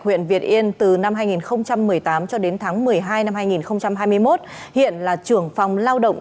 huyện việt yên từ năm hai nghìn một mươi tám cho đến tháng một mươi hai năm hai nghìn hai mươi một hiện là trưởng phòng lao động